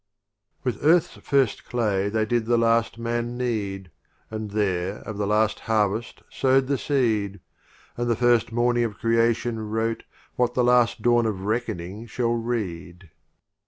With Earth's first Clay They did the Last Man knead, And there of the Last Harvest sow'd the Seed: And the first Morning of Crea tion wrote What the Last Dawn of Reckon ing shall read.